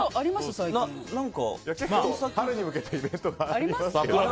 結構、春に向けてイベントがありますけど。